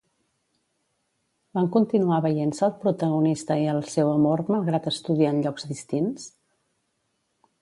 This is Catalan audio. Van continuar veient-se el protagonista i el seu amor malgrat estudiar en llocs distints?